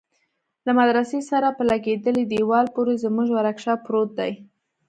له مدرسه سره په لگېدلي دېوال پورې زموږ ورکشاپ پروت دى.